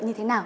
như thế nào